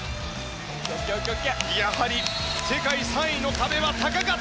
やはり世界３位の壁は高かった。